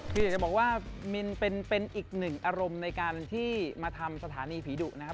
คืออยากจะบอกว่ามินเป็นอีกหนึ่งอารมณ์ในการที่มาทำสถานีผีดุนะครับ